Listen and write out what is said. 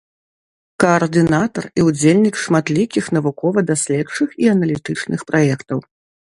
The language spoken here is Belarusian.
Каардынатар і ўдзельнік шматлікіх навукова-даследчых і аналітычных праектаў.